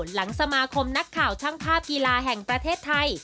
หลังสมาคมนักข่าวช่างภาพกีฬาแห่งประเทศไทย